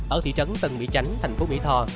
ở thị trấn tân mỹ chánh thành phố mỹ tho